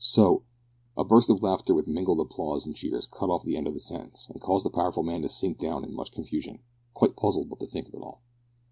So " A burst of laughter with mingled applause and cheers cut off the end of the sentence and caused the powerful man to sit down in much confusion, quite puzzled what to think of it all.